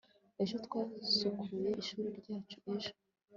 ejo [t] twasukuye ishuri ryacu ejo